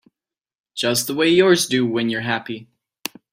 Just the way yours do when you're happy.